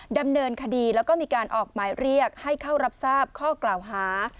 ดำเนินคดีแล้วก็มีการออกหมายเรียกให้เข้ารับทราบข้อกล่าวหา